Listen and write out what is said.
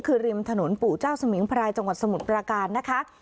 คือริมถนนปู่เจ้าสมิงพรายจังหวัดสมุทรปราการนะคะ